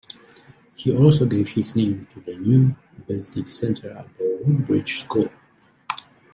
He also gave his name to the new "Belstead Centre" at Woodbridge School.